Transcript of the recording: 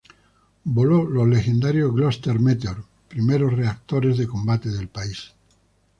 Voló los legendarios Gloster Meteor, primeros reactores de combate del país.